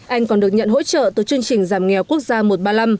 anh còn được nhận hỗ trợ từ chương trình giảm nghèo quốc gia một trăm ba mươi năm